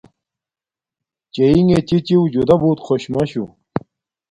چݵئِݣݺ چِچِݵݸ جُدݳ بݸت خݸش مَشُو.